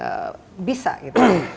itu berapa bisa gitu